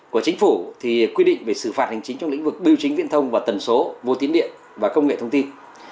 của chính phủ thì quy định về xử phạt hành chính trong lĩnh vực biểu chính viễn thông và tần số vô tín điện và công nghệ thông tin